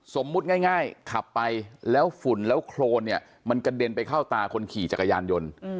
สมมุติง่ายขับไปแล้วฝุ่นแล้วโครนเนี่ยมันกระเด็นไปเข้าตาคนขี่จักรยานยนต์